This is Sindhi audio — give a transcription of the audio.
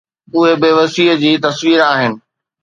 اهي بيوسيءَ جي تصوير آهن.